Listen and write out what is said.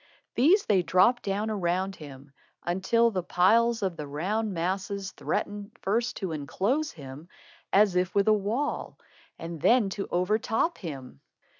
These they dropped down around him, until the piles of the round masses threatened first to enclose him as with a wall, and then to overtop him.